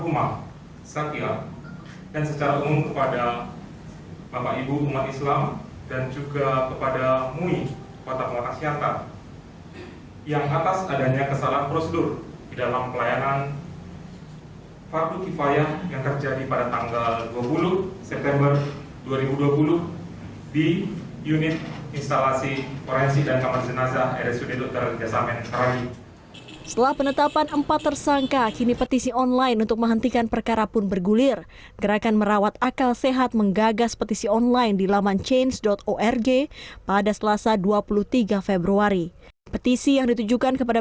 maaf kepada keluarga almarhumah sakit dan secara umum kepada bapak ibu umat islam dan juga kepada